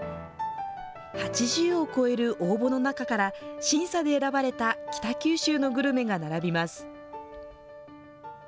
８０を超える応募の中から、審査で選ばれた北九州のグルメが並びます。